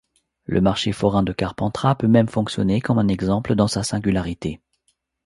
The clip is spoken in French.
Le marché forain de Carpentras peut même fonctionner comme un exemple dans sa singularité.